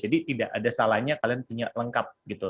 jadi tidak ada salahnya kalian punya lengkap